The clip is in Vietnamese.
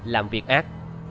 làm việc ác